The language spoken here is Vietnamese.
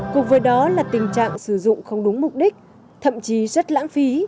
cùng với đó là tình trạng sử dụng không đúng mục đích thậm chí rất lãng phí